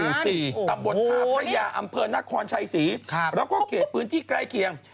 ๔ตำบลท่าพระยาอำเภอนครชัยศรีแล้วก็เขตพื้นที่ใกล้เคียง